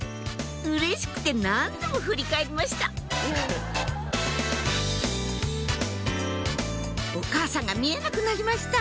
うれしくて何度も振り返りましたお母さんが見えなくなりました